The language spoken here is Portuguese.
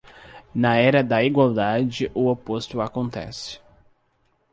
Na era da igualdade, o oposto acontece.